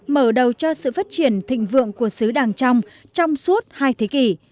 mở đầu cho sự phát triển thịnh vượng của xứ đàng trong suốt hai thế kỷ